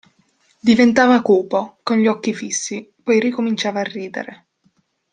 Diventava cupo, con gli occhi fissi, poi ricominciava a ridere.